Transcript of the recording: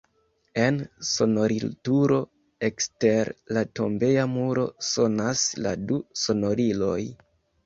En sonorilturo ekster la tombeja muro sonas la du sonoriloj.